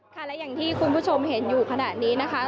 และอย่างที่คุณผู้ชมเห็นอยู่ขณะนี้นะคะ